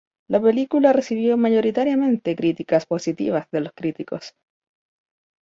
La película recibió mayoritariamente críticas positivas de los críticos.